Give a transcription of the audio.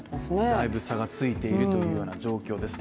だいぶ差がついているという状況です。